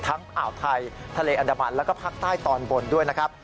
อ่าวไทยทะเลอันดามันแล้วก็ภาคใต้ตอนบนด้วยนะครับ